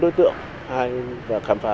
hai đối tượng khám phá